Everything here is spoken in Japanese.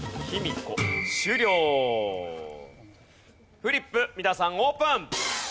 フリップ皆さんオープン。